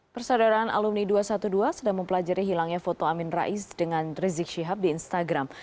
persaudaraan alumni dua ratus dua belas sedang mempelajari hilangnya foto amin rais dengan rizik syihab di instagram